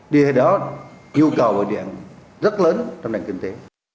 điều đó nhu cầu điện rất lớn trong nền kinh tế